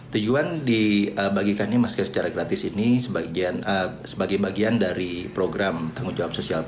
tujuan dibagikannya masker secara gratis ini sebagai bagian dari program tanggung jawab sosial